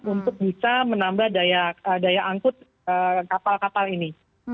untuk bisa menambah daya angkut kapal kapal ini